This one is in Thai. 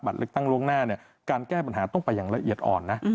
เลือกตั้งล่วงหน้าเนี่ยการแก้ปัญหาต้องไปอย่างละเอียดอ่อนนะ